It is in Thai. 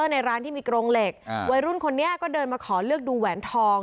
ในร้านที่มีกรงเหล็กวัยรุ่นคนนี้ก็เดินมาขอเลือกดูแหวนทอง